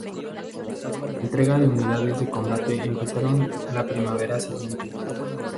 Las entregas de unidades de combate, empezaron la primavera siguiente.